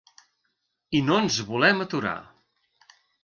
I no ens volem aturar.